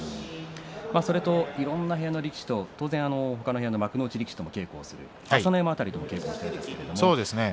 それといろんな部屋の力士と当然他の部屋の幕内力士と稽古する朝乃山辺りもありますよね。